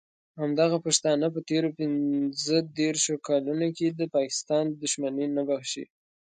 همدغه پښتانه په تېرو پینځه دیرشو کالونو کې د پاکستان دښمني نه بښي.